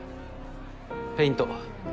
ペイント。